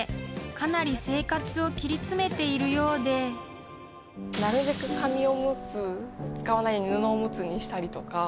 ［かなり生活を切り詰めているようで］なるべく紙おむつ使わないように布おむつにしたりとか。